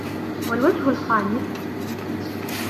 وَالْوَجْهُ الْخَامِسُ